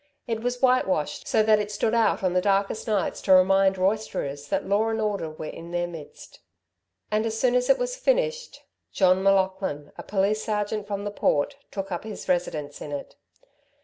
It was whitewashed, so that it stood out on the darkest nights to remind roisterers that law and order were in their midst. And as soon as it was finished, John M'Laughlin, a police sergeant from the Port, took up his residence in it.